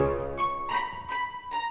gak ada apa apa